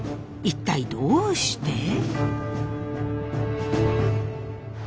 一体どうして？